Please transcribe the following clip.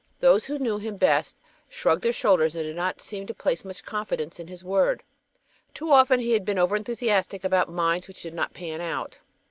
Those who knew him best shrugged their shoulders and did not seem to place much confidence in his word. Too often he had been over enthusiastic about mines which did not "pan out."